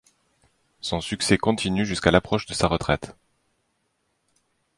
Son succès continue jusqu'à l'approche de sa retraite.